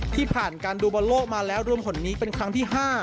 ผ่านการดูบอลโลกมาแล้วรวมผลนี้เป็นครั้งที่๕